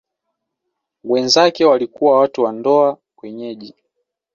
Wenzake walikuwa watu wa ndoa wenyeji.